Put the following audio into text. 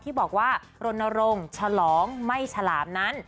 ที่บอกว่ารณรงค์ฉลองไม่ฉลามนั้น